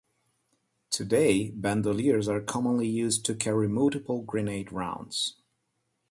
Today, bandoliers are commonly used to carry multiple grenade rounds.